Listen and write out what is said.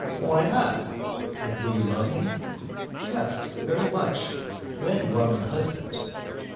"Why not?" "And will you love me?" "Yes, very much, when you are my husband."